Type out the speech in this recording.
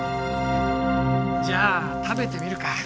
じゃあ食べてみるか。